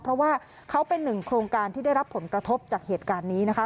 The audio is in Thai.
เพราะว่าเขาเป็นหนึ่งโครงการที่ได้รับผลกระทบจากเหตุการณ์นี้นะคะ